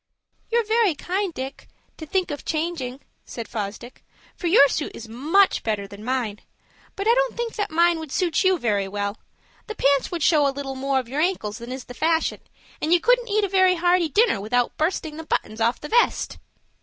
"You're very kind, Dick, to think of changing," said Fosdick, "for your suit is much better than mine; but I don't think that mine would suit you very well. The pants would show a little more of your ankles than is the fashion, and you couldn't eat a very hearty dinner without bursting the buttons off the vest."